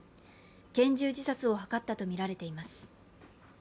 拳銃自殺を図ったとみられています。